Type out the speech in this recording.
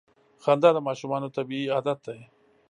• خندا د ماشومانو طبیعي عادت دی.